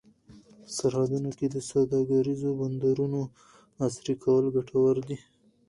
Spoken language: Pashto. په سرحدونو کې د سوداګریزو بندرونو عصري کول ګټور دي.